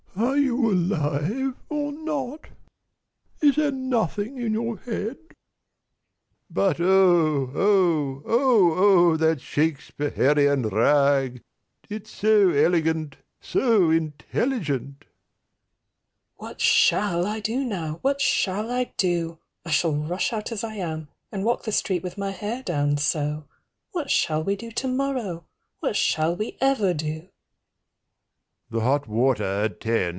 "Are you alive, or not? Is there nothing in your head?" But O O O O that Shakespeherian Rag— It's so elegant So intelligent 130 "What shall I do now? What shall I do?" I shall rush out as I am, and walk the street "With my hair down, so. What shall we do tomorrow? "What shall we ever do?" The hot water at ten.